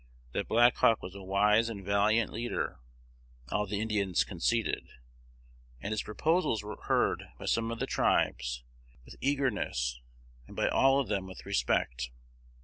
That Black Hawk was a wise and valiant leader, all the Indians conceded; and his proposals were heard by some of the tribes with eagerness, and by all of them with respect.